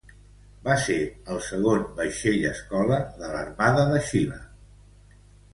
Va ser el segon vaixell escola de l'armada de Xile.